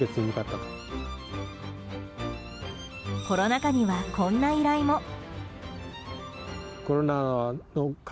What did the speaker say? コロナ禍には、こんな依頼も。